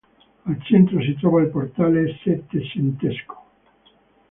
Al centro si trova il portale settecentesco.